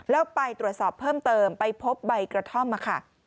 แล้วไปตรวจสอบเพิ่มเติมไปพบใบกระท่อมค่ะ